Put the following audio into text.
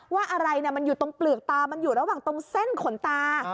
ว่าอะไรมันอยู่ตรงเปลือกตามันอยู่ระหว่างตรงเส้นขนตา